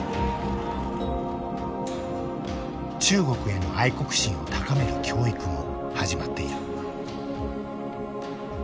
中国への愛国心を高める教育も始まっている。